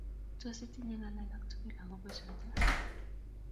Tos, itinye ngaal alak tugul agobo choto?